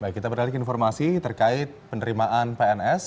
baik kita berlalui informasi terkait penerimaan pns